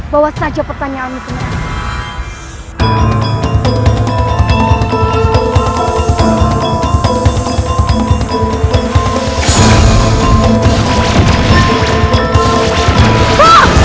bawa saja pertanyaanmu ke nyeblor